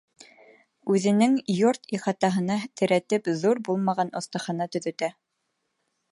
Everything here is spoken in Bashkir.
Үҙенең йорт ихатаһына терәтеп ҙур булмаған оҫтахана төҙөтә.